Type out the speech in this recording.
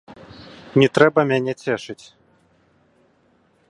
Не трэба мяне цешыць.